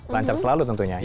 lancar selalu tentunya